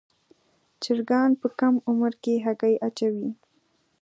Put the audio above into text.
چرګان په کم عمر کې هګۍ اچوي.